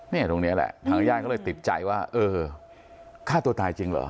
ตรงนี้แหละทางญาติก็เลยติดใจว่าเออฆ่าตัวตายจริงเหรอ